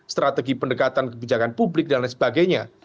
strategi pendekatan kebijakan publik dan lain sebagainya